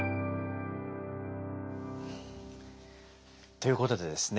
ということでですね